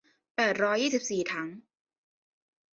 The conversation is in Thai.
แปดร้อยยี่สิบสี่ถัง